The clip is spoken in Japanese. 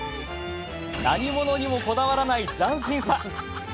何物にもこだわらない斬新さ。